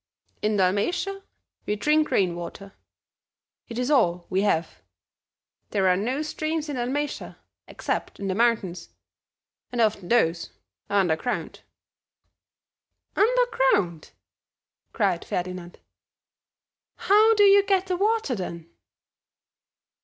"In Dalmatia we drink rain water. It is all we have. There are no streams in Dalmatia except in the mountains, and often those are underground." "Underground?" cried Ferdinand. "How do you get the water then?"